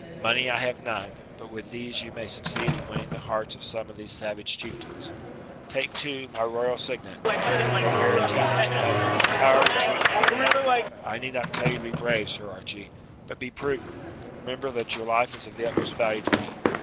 Money I have none; but with these you may succeed in winning the hearts of some of these savage chieftains. Take, too, my royal signet, which will be a guarantee that you have power to treat in my name. I need not tell you to be brave, Sir Archie; but be prudent remember that your life is of the utmost value to me.